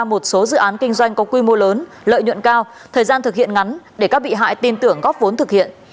một số dự án kinh doanh có quy mô lớn lợi nhuận cao thời gian thực hiện ngắn để các bị hại tin tưởng góp vốn thực hiện